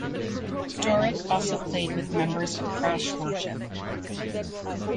Doerck also played with members of Crash Worship.